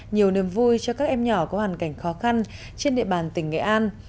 nhiều niềm vui cho các em nhỏ có hoàn cảnh khó khăn trên địa bàn tỉnh nghệ an